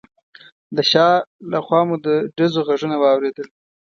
د شا له خوا مو د ډزو غږونه واورېدل.